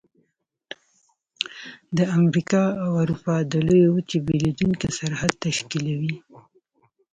د امریکا او اروپا د لویې وچې بیلونکی سرحد تشکیلوي.